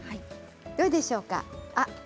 どうでしょうか。